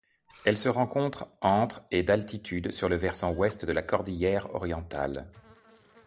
Elle se rencontre entre et d'altitude sur le versant Ouest de la cordillère Orientale.